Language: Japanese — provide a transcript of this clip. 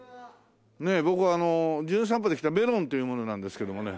僕『じゅん散歩』で来たメロンっていう者なんですけどもね。